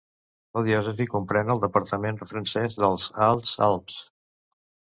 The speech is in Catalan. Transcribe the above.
La diòcesi comprèn el departament francès dels Alts Alps.